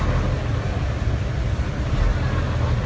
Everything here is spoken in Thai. เรียกมาเลย